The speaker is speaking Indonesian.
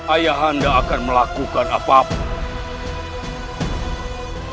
ayah anda akan melakukan apapun